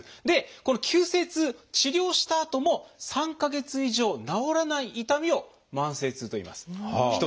でこの急性痛治療したあとも３か月以上治らない痛みを「慢性痛」といいます。